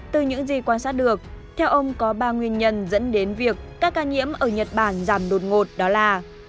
từ những gì quan sát được theo ông có ba nguyên nhân dẫn đến việc các ca nhiễm ở nhật bản giảm đột ngột đó là